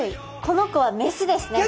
この子はメスですね。